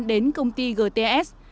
đến công ty gts